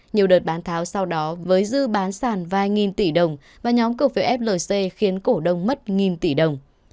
nhiều đợt bán tháo sau đó với dư bán sản vài nghìn tỷ đồng và nhóm cổ phiếu flc khiến cổ đông mất nghìn tỷ đồng